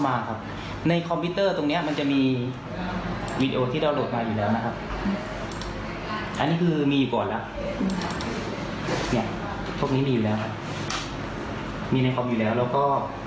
มีในคอมพิวเตอร์อยู่แล้วแล้วก็